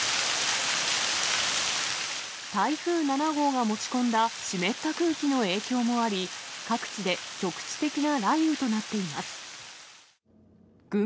台風７号が持ち込んだ湿った空気の影響もあり、各地で局地的な雷雨となっています。